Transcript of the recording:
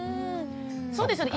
そうですよね。